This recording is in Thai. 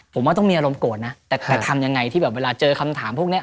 ผมว่าต้องมีอารมณโกรธนะแต่ทำยังไงที่แบบเวลาเจอคำถามพวกนี้